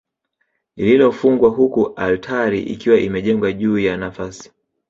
Lililofungwa huku altari ikiwa imejengwa juu ya nafasi